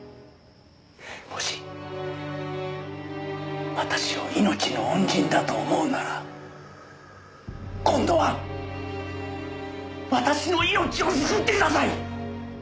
もし私を命の恩人だと思うなら今度は私の命を救ってください！